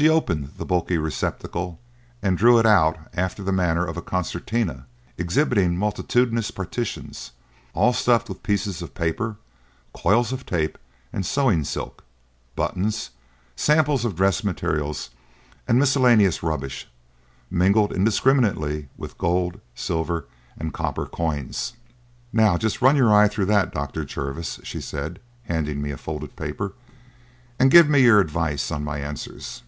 She opened the bulky receptacle and drew it out after the manner of a concertina, exhibiting multitudinous partitions, all stuffed with pieces of paper, coils of tape and sewing silk, buttons, samples of dress materials and miscellaneous rubbish, mingled indiscriminately with gold, silver, and copper coins. "Now just run your eye through that, Dr. Jervis," she said, handing me a folded paper, "and give me your advice on my answers."